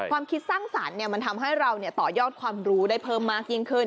ความคิดสร้างสรรค์มันทำให้เราต่อยอดความรู้ได้เพิ่มมากยิ่งขึ้น